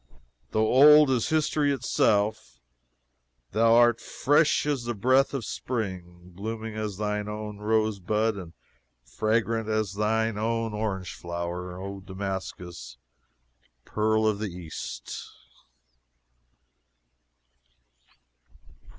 "Though old as history itself, thou art fresh as the breath of spring, blooming as thine own rose bud, and fragrant as thine own orange flower, O Damascus, pearl of the East!"